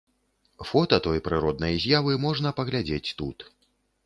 Фота той прыроднай з'явы можна паглядзець тут.